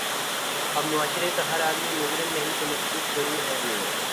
اب معاشرے کا ہر آدمی مجرم نہیں تو مشکوک ضرور ہے۔